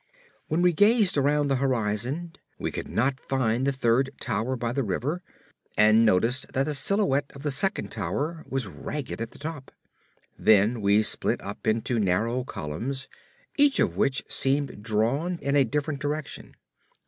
When we gazed around the horizon, we could not find the third tower by the river, and noticed that the silhouette of the second tower was ragged at the top. Then we split up into narrow columns, each of which seemed drawn in a different direction.